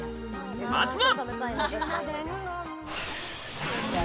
まずは。